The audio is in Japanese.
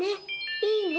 いいね。